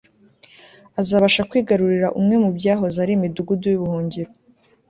azabasha kwigarurira umwe mu byahoze ari imidugudu yubuhungiro